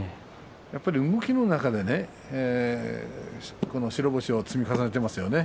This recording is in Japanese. やっぱり動きの中で白星を積み重ねていますよね